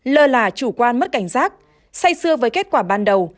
một lơ là chủ quan mất cảnh giác say sưa với kết quả ban đầu